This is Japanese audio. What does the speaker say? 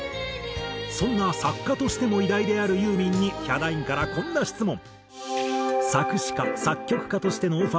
そんな作家としても偉大であるユーミンにヒャダインからこんな質問。